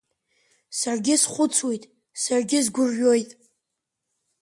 Саргьы схәыцуеит, саргьы сгәырҩоит…